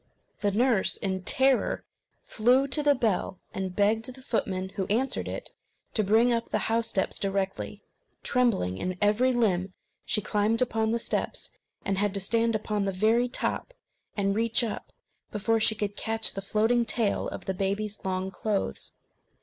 The nurse in terror flew to the bell, and begged the footman, who answered it, to bring up the house steps directly. Trembling in every limb, she climbed upon the steps, and had to stand upon the very top, and reach up, before she could catch the floating tail of the baby's long clothes.